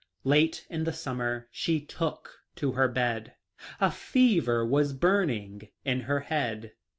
Late in the summer she took to her bed. A fever was burning in her head.